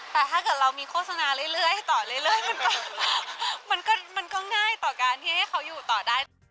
แต่ถ้าเกิดเรามีโฆษณาเรื่อยต่อเรื่อยมันก็ง่ายต่อการที่ให้เขาอยู่ต่อได้